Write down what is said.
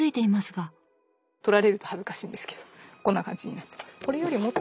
撮られると恥ずかしいんですけどこんな感じになってます。